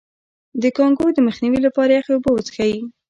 د کانګو د مخنیوي لپاره یخې اوبه وڅښئ